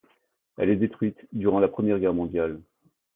Elle est détruite durant la Première Guerre mondiale.